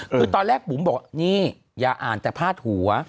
คือตอนแรกบุ๋มบอกนี่อย่าอ่านแต่พาดหัว